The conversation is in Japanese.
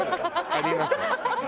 あります